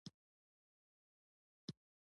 مالټه د خوړلو لپاره آسانه ده.